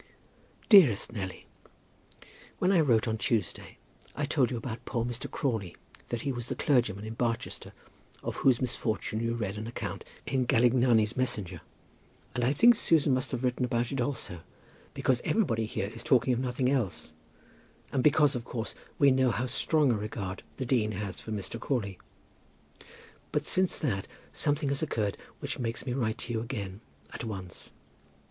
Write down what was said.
DEAREST NELLY, When I wrote on Tuesday I told you about poor Mr. Crawley, that he was the clergyman in Barsetshire of whose misfortune you read an account in Galignani's Messenger, and I think Susan must have written about it also, because everybody here is talking of nothing else, and because, of course, we know how strong a regard the dean has for Mr. Crawley. But since that something has occurred which makes me write to you again, at once.